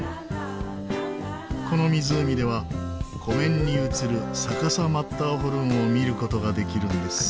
この湖では湖面に映る逆さマッターホルンを見る事ができるんです。